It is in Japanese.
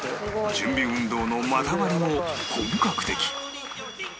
準備運動の股割りも本格的